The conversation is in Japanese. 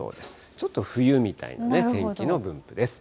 ちょっと冬みたいなね、天気の分布です。